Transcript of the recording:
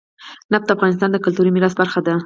نفت د افغانستان د کلتوري میراث برخه ده.